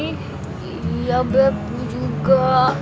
iya beb gue juga